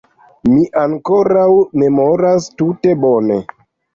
Mi ankoraŭ memoras tute bone.